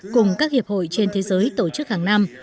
cùng các hiệp hội trên thế giới tổ chức hàng năm